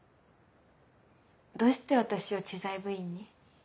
どうして私を知財部員に？